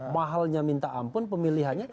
mahalnya minta ampun pemilihannya